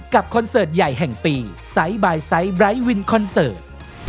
คอนเสิร์ตใหญ่แห่งปีไซส์บายไซส์ไร้วินคอนเสิร์ต